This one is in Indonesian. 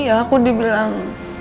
hai ia aku dibilang